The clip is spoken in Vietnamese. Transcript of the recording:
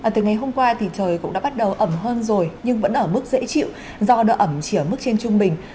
từ ngày hôm qua thì trời cũng đã bắt đầu ẩm hơn rồi nhưng vẫn ở mức dễ chịu do độ ẩm chỉ ở mức trên trung bình